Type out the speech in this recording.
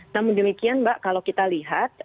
namun demikian mbak kalau kita lihat